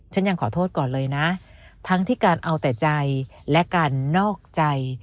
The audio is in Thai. ยังขอโทษก่อนเลยนะทั้งที่การเอาแต่ใจและการนอกใจ